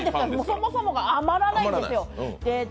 そもそもが余らないんですよ。